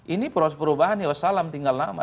ini perubahan ya wassalam tinggal lama